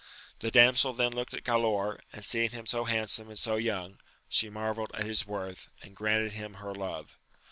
The damsel then looked at Galaor, and seeing him so handsome, and so young, she mar velled at his worth, and granted him her love.